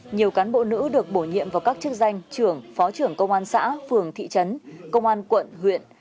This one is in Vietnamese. nhiều cán bộ nữ được bổ nhiệm vào các chức danh trưởng phó trưởng công an xã phường thị trấn công an quận huyện